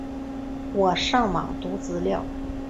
我就上网读资料